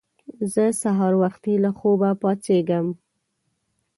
زه سهار وختي له خوبه پاڅېږم